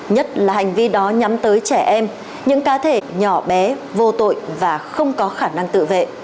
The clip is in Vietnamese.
nhất là hành vi đó nhắm tới trẻ em những cá thể nhỏ bé vô tội và không có khả năng tự vệ